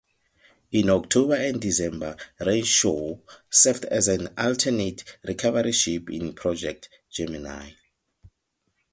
In October and December "Renshaw" served as an alternate recovery ship in Project Gemini.